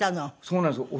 そうなんですよ。